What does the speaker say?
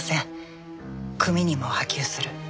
組にも波及する。